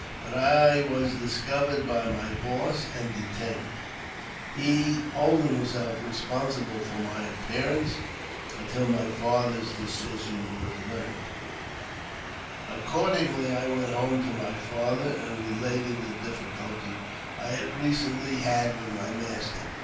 But I was discovered by my boss and detained, he holding himself responsible for my appearance until my father's decision was learned. Accordingly, I went home to my father, and related the difficulty I had recently had with my master.